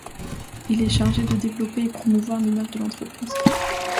Il est chargé de développer et promouvoir l’image de l’entreprise.